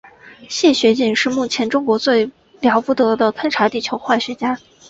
谢学锦是目前中国最了不得的勘察地球化学家。